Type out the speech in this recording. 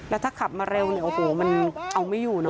แล้วถ้าขับมาเร็วเนี่ยโอ้โหมันเอาไม่อยู่เนอ